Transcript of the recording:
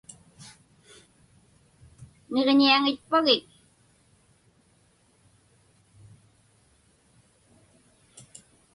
Niġiñiaŋitpagik?